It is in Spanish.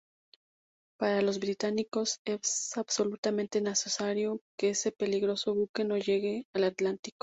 Para los británicos es absolutamente necesario que ese peligroso buque no llegue al Atlántico.